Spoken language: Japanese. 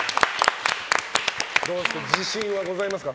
自信はございますか？